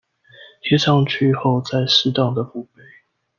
貼上去後加上適當的護貝